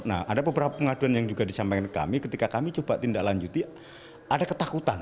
nah ada beberapa pengaduan yang juga disampaikan kami ketika kami coba tindaklanjuti ada ketakutan